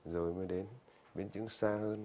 rồi mới đến biến chứng xa hơn